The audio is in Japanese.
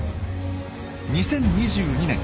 ２０２２年